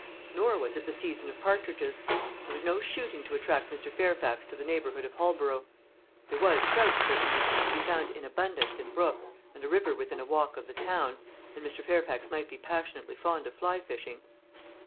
Nor was it the season of partridges. There was no shooting to attract Mr. Fairfax to the neighbourhood of Holborough. There was trout, certainly, to be found in abundance in brooks, and a river within a walk of the town; and Mr. Fairfax might be passionately fond of fly fishing.